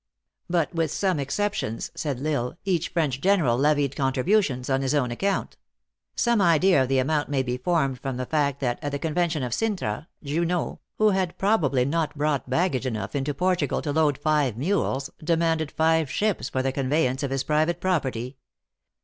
" But, with some exceptions," said L Isle, " each French general levied contributions on his own ac count. Some idea of the amount may be formed from the fact, that at the Convention of Ciritra, Junot, who had probably not brought baggage enough into Portu gal to load five mules, demanded five ships for the conveyance of his private property.